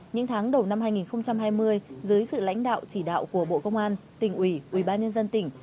những tháng đầu năm hai nghìn hai mươi dưới sự lãnh đạo chỉ đạo của bộ công an tỉnh ủy ubnd tỉnh